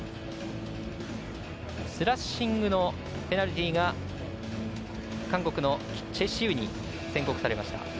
スラッシングのペナルティーが韓国のチェ・シウに宣告されました。